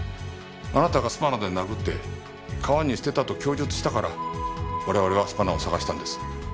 あなたがスパナで殴って川に捨てたと供述したから我々はスパナを捜したんです。